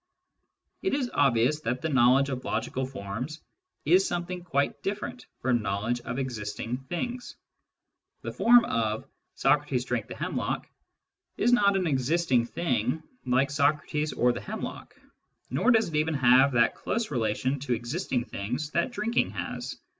It is obvious that the knowledge of logical forms is something quite different from knowledge of existing things. The form of " Socrates drank the hemlock " is not an existing thing like Socrates or the hemlock, nor does it even have that close relation to existing things that drinking has.